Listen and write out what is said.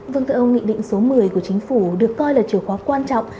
vâng thưa ông nghị định số một mươi của chính phủ được coi là chiều khóa quan trọng